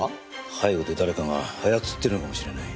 背後で誰かが操ってるのかもしれない。